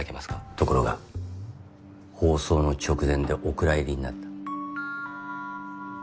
ところが放送の直前でお蔵入りになった。